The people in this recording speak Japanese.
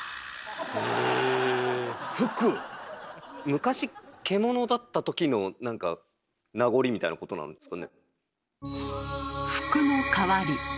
昔獣だった時の何か名残みたいなことなんですかね？